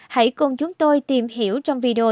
hãy cùng chúng tôi tìm hiểu trong video